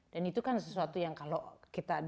dan itu kan sesuatu yang kalau kita di